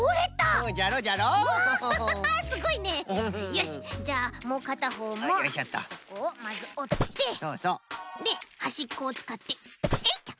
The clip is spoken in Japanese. よしじゃあもうかたほうもここをまずおってではしっこをつかってえいっと。